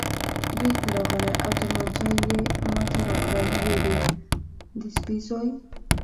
بېرته راغلی او تومانچه یې ما ته راکړل، ویې ویل: د سپي زوی.